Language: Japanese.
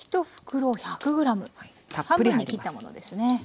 １袋１００ｇ半分に切ったものですね。